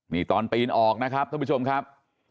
นี่ตอนปีนออกนะครับท่านผู้ชมครับ